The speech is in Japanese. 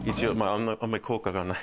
あんまり効果がない。